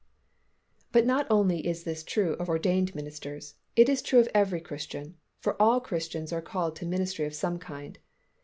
But not only is this true of ordained ministers, it is true of every Christian, for all Christians are called to ministry of some kind.